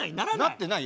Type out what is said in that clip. なってない？